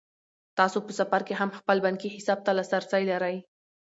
تاسو په سفر کې هم خپل بانکي حساب ته لاسرسی لرئ.